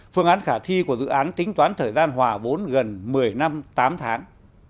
phương án khả thi của dự án tính toán thời gian hòa vốn gần một mươi năm tám tháng